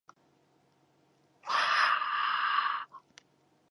ｄｖｆ